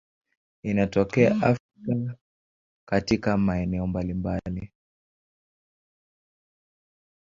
Inatokea Afrika katika maeneo mbalimbali.